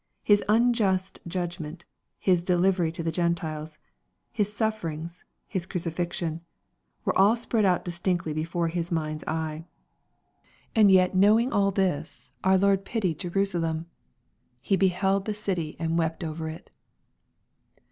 His unjust judgment, His delivery to the Gentiles, His suffer ings, His crucifixion, were all spread out distinctly before His mind's eye. And yet knowing all this, our Lord pitied Jerusalem I " He beheld the city and wept over it."